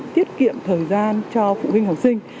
tiết kiệm thời gian cho phụ huynh học sinh